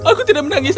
aku tidak menangis